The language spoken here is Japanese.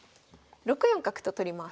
６四角と取ります。